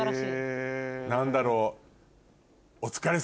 何だろう。